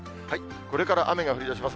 これから雨が降りだします。